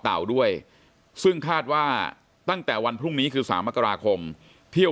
เต่าด้วยซึ่งคาดว่าตั้งแต่วันพรุ่งนี้คือ๓มกราคมเที่ยว